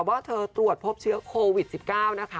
ว่าเธอตรวจพบเชื้อโควิด๑๙นะคะ